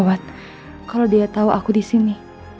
lewat kalau dia tahu aku di sini